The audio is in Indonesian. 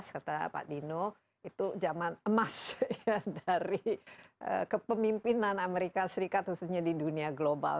kata pak dino itu zaman emas dari kepemimpinan amerika serikat khususnya di dunia global